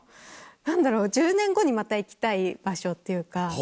何だろう「１０年後にまた行きたい場所」っていうか。